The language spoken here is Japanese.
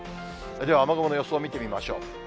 では、雨雲の予想を見てみましょう。